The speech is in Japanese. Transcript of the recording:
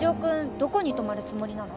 どこに泊まるつもりなの？